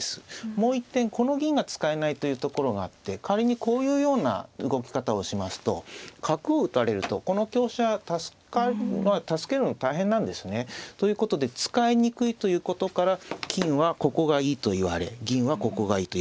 もう一点この銀が使えないというところがあって仮にこういうような動き方をしますと角を打たれるとこの香車助けるの大変なんですね。ということで使いにくいということから金はここがいいといわれ銀はここがいいといわれたわけです。